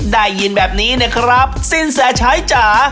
ได้ยินแบบนี้นะครับสินแสชัยจ๋า